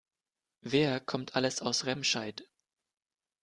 Wer kommt alles aus Remscheid?